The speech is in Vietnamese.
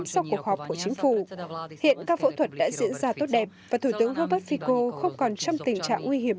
sau cuộc họp của chính phủ hiện các phẫu thuật đã diễn ra tốt đẹp và thủ tướng robert fico không còn trong tình trạng nguy hiểm